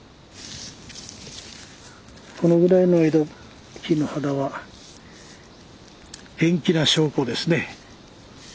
このぐらいの木の肌は元気な証拠ですね。